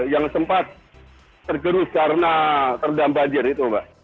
yang sempat tergerus karena terendam banjir itu mbak